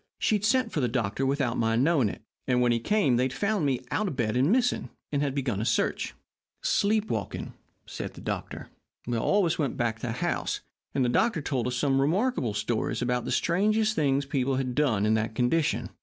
She had sent for the doctor without my knowing it, and when he came they had found me out of bed and missing, and had begun a search. "'Sleep walking,' said the doctor. "All of us went back to the house, and the doctor told us some remarkable stories about the strange things people had done while in that condition.